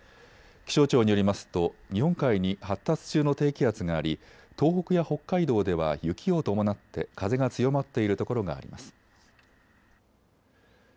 気象庁によりますと日本海に発達中の低気圧があり、東北や北海道では雪を伴って風が強まっているところがあります。